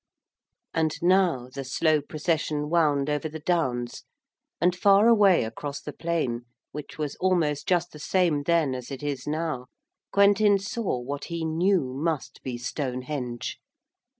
And now the slow procession wound over the downs, and far away across the plain, which was almost just the same then as it is now, Quentin saw what he knew must be Stonehenge.